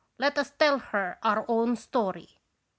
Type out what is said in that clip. Let us tell her our own story.